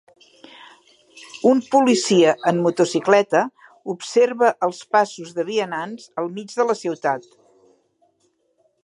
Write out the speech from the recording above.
Un policia en motocicleta observa els pasos de vianants al mig de la ciutat.